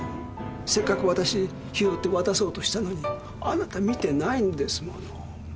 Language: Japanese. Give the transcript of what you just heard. せっかくわたし拾って渡そうとしたのにあなた見てないんですもの。